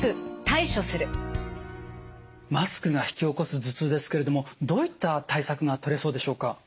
マスクが引き起こす頭痛ですけれどもどういった対策がとれそうでしょうか？